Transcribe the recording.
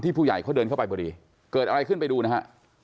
ผู้ใหญ่เขาเดินเข้าไปพอดีเกิดอะไรขึ้นไปดูนะฮะ